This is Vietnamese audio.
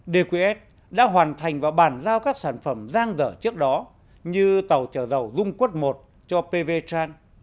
dqs đã hoàn thành và bàn giao các sản phẩm giang dở trước đó như tàu chở dầu dung quất i cho pv tran